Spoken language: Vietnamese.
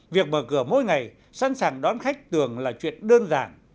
việc mở cửa mỗi ngày sẵn sàng đón khách tưởng là chuyện đơn giản